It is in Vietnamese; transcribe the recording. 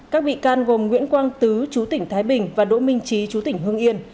các bị can gồm nguyễn quang tứ chú tỉnh thái bình và đỗ minh trí chú tỉnh hương yên